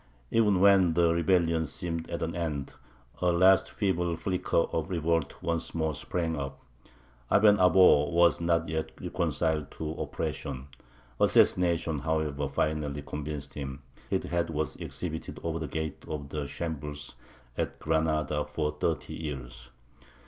Even when the rebellion seemed at an end, a last feeble flicker of revolt once more sprang up: Aben Abó was not yet reconciled to oppression. Assassination, however, finally convinced him: his head was exhibited over the Gate of the Shambles at Granada for thirty years.